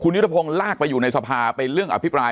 ยุทธพงศ์ลากไปอยู่ในสภาไปเรื่องอภิปราย